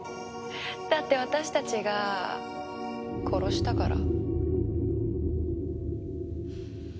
だって私たちが殺したから。